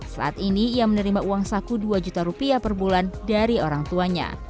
saat ini ia menerima uang saku dua juta rupiah per bulan dari orang tuanya